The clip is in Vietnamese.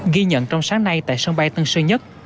ghi nhận trong sáng nay tại sân bay tân sơn nhất